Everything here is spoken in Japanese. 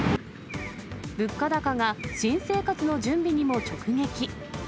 物価高が新生活の準備にも直撃。